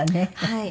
はい。